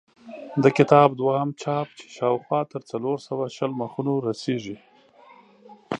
د کتاب دویم چاپ چې شاوخوا تر څلور سوه شل مخونو رسېږي.